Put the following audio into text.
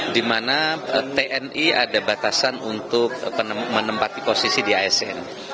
di mana tni ada batasan untuk menempati posisi di asn